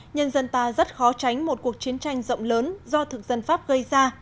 nhân dân ta rất khó tránh một cuộc chiến tranh rộng lớn do thực dân pháp gây ra